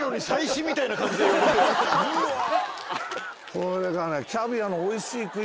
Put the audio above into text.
これがね。